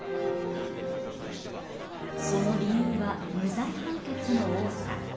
その理由は無罪判決の多さ。